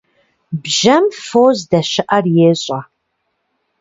Бжьэм фо здэщыIэр ещIэ.